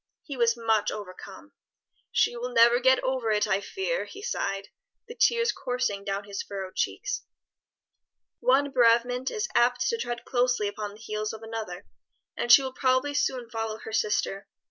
He was much overcome. "She will never get over it, I fear," he sighed, the tears coursing down his furrowed cheeks. "One bereavement is apt to tread closely upon the heels of another, and she will probably soon follow her sister.